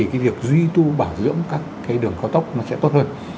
thì việc duy trì và bảo lưỡng các đường cao tốc to hơn